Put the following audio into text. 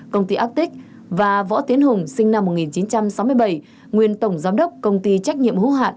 công ty actic và võ tiến hùng sinh năm một nghìn chín trăm sáu mươi bảy nguyên tổng giám đốc công ty trách nhiệm hữu hạn